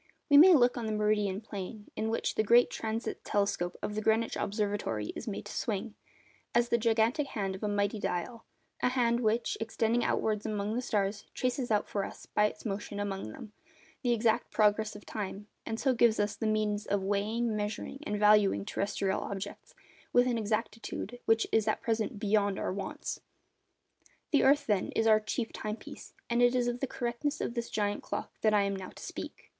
We may look on the meridian plane in which the great transit telescope of the Greenwich Observatory is made to swing, as the gigantic hand of a mighty dial, a hand which, extending outwards among the stars, traces out for us, by its motion among them, the exact progress of time, and so gives us the means of weighing, measuring, and valuing terrestrial objects with an exactitude which is at present beyond our wants. The earth, then, is our 'chief time piece,' and it is of the correctness of this giant clock that I am now to speak.